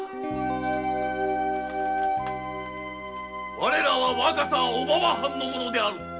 我らは若狭小浜藩の者である。